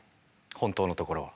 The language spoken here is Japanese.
本当のところは？